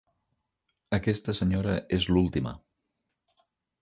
Aquesta senyora és l'última.